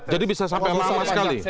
jadi bisa sampai lama sekali